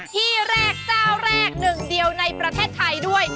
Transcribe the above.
ที่แรกเจ้าแรกหนึ่งเดียวในประเทศไทยด้วย